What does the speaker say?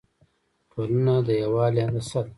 ټولنه د یووالي هندسه ده.